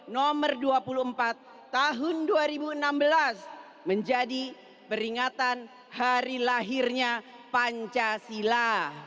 nomor dua puluh empat tahun dua ribu enam belas menjadi peringatan hari lahirnya pancasila